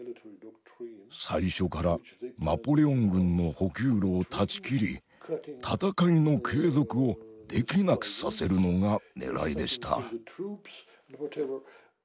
最初からナポレオン軍の補給路を断ち切り戦いの継続をできなくさせるのがねらいでした。